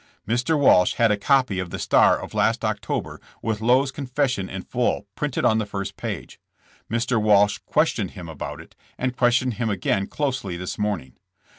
Mr. Walsh had a copy of The Star of last Octo ber, with Lowe's confession in full printed on the first page. Mr. Walsh questioned him about it, and questioned him again closely this morning.